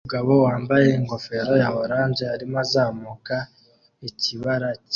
Umugabo wambaye ingofero ya orange arimo azamuka ikibara cyera